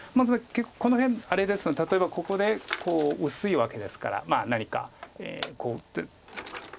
この辺あれですので例えばここで薄いわけですから何かこう打って。